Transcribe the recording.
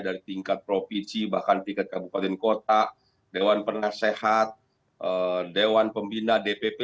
dari tingkat provinsi bahkan tingkat kabupaten kota dewan penasehat dewan pembina dpp